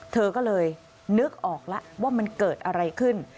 เธอก็เลยนึกออกแล้วว่ามันเกิดอะไรขึ้น